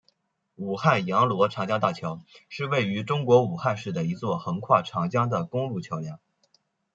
武汉阳逻长江大桥是位于中国武汉市的一座横跨长江的公路桥梁。